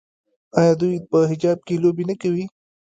آیا دوی په حجاب کې لوبې نه کوي؟